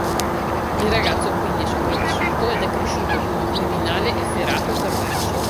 Il ragazzo quindi è sopravvissuto ed è cresciuto come un criminale efferato e perverso.